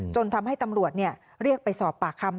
ทำให้ตำรวจเรียกไปสอบปากคำ